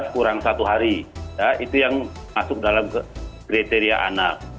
kurang satu hari itu yang masuk dalam kriteria anak